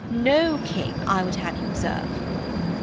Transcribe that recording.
_"... No king, I would have you observe.'